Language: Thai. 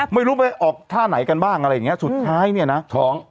ไม่รู้ไปออกท่าไหนกันบ้างอะไรอย่างเงี้ยสุดท้ายเนี่ยนะท้อง